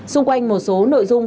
xung quanh một số nội dung